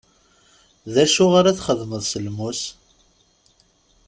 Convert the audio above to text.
D acu ara txedmeḍ s lmus?